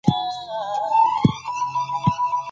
د انسان زينت د هغه اخلاق دي